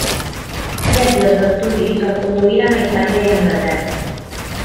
Viatges d'estudis el conduïren a Itàlia i Anglaterra.